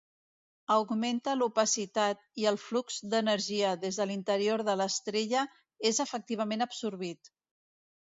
Augmenta l'opacitat i el flux d'energia des de l'interior de l'estrella és efectivament absorbit.